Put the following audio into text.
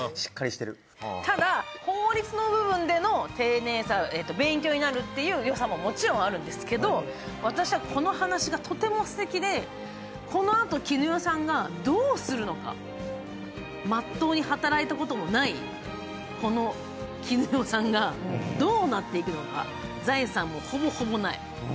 ただ、法律の部分での勉強になるという良さももちろんあるんですけれども、私はこの話がとてもすてきで、このあと絹代さんがどうするのか、全うに働いたこともないこの絹代さんがどうなっていくのか、財産もほぼほぼない。